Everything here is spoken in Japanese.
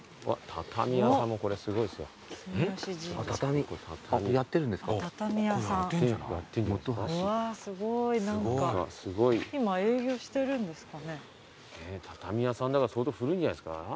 畳屋さんだから相当古いんじゃないですか？